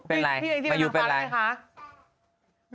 เป็นอะไรมายูเป็นอะไรพี่แองจี้เป็นนางฟ้าแล้วไงค่ะ